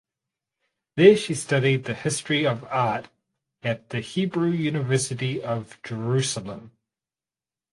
There she studied the history of art at the Hebrew University of Jerusalem.